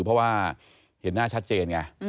เพราะว่าเห็นหน้าชัดเจนไง